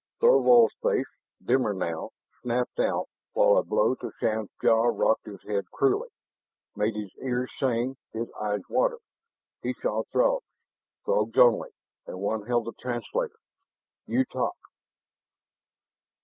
Thorvald's face, dimmer now, snapped out while a blow on Shann's jaw rocked his head cruelly, made his ears sing, his eyes water. He saw Throgs Throgs only. And one held the translator. "You talk!"